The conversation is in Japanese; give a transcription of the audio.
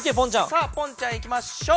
さあポンちゃんいきましょう。